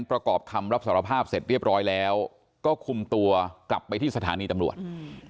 ประกอบคำรับสารภาพเสร็จเรียบร้อยแล้วก็คุมตัวกลับไปที่สถานีตำรวจอืม